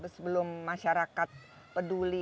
sebelum masyarakat peduli